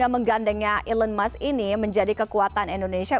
menggandengnya elon musk ini menjadi kekuatan indonesia